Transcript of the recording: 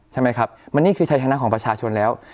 ใช่ไหมครับมันนี่คือชัยชนะของประชาชนแล้ว